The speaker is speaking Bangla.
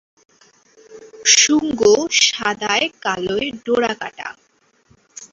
শুঙ্গ সাদায়-কালোয় ডোরাকাটা।